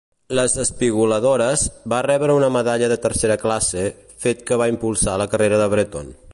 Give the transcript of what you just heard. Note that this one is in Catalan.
"Les espigoladores" va rebre una medalla de tercera classe, fet que va impulsar la carrera de Breton.